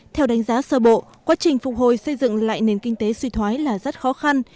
theo đánh giá sơ bộ quá trình phục hồi xây dựng lại nền kinh tế suy thoái là rất khó khăn